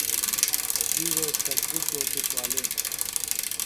تی وے سبزی چوٹیۡ کُوالینیۡ۔